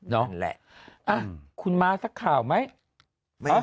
เนาะคุณมาสักข่าวไหม